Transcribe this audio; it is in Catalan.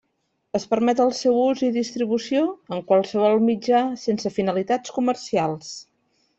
Es permet el seu ús i distribució en qualsevol mitjà sense finalitats comercials.